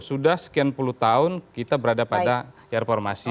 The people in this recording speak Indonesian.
sudah sekian puluh tahun kita berada pada reformasi